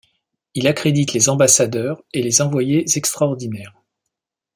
Il accrédite les ambassadeurs et les envoyés extraordinaires.